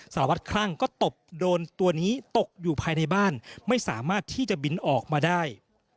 สารวัตรคลั่งก็ตบโดรนตัวนี้ตกอยู่ภายในบ้านไม่สามารถที่จะบินออกมาได้